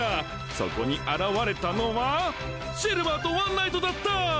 そこに現れたのはシルヴァーとワンナイトだったー！